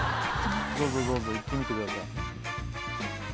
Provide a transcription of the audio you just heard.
どうぞどうぞ行ってみてください。